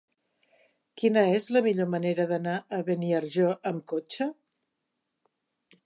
Quina és la millor manera d'anar a Beniarjó amb cotxe?